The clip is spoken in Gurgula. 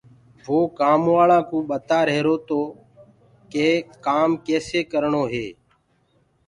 وو ورڪرآنٚ ڪوُ ٻتآ رهيرو تو ڪي ڪآم ڪيسي ڪرڻو هي؟